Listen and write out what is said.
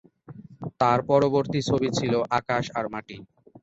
তার পরবর্তী ছবি ছিল "আকাশ আর মাটি"।